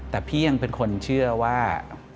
แต่พี่ยังเป็นคนเชื่อว่า